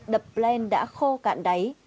đập bren đã khô cạn đáy